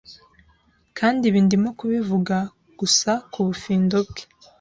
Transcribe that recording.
Kandi ibi ndimo kubivuga gusa kubufindo bwe